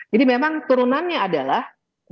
jadi memang turunannya adalah